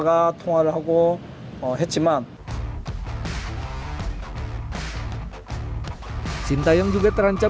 kami harus membantu mereka